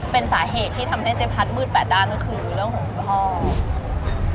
เป็นสาเหตุที่ทำให้เจ๊พัดมืดแปดด้านก็คือเรื่องของคุณพ่อ